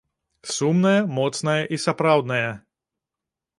Сумная, моцная і сапраўдная.